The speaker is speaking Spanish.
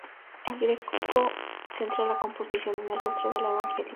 El Greco centra la composición en el rostro del evangelista.